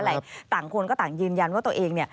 ต่างคนก็ต่างยืนยันว่าตัวเอง